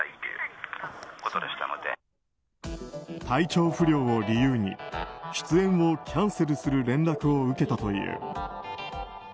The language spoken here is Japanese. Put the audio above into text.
体調不良を理由に出演をキャンセルする連絡を受けたという。